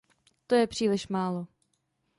To je příliš málo.